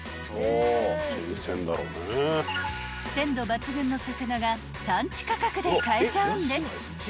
［鮮度抜群の魚が産地価格で買えちゃうんです］